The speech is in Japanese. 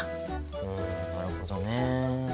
うんなるほどね。